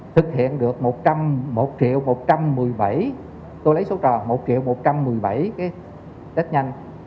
thực hiện được một trăm linh một triệu một trăm một mươi bảy tôi lấy số trò một triệu một trăm một mươi bảy cái test nhanh